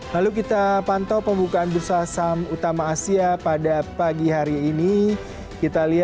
lalu kita pantau pembukaan bursa saham utama asia pada pagi hari ini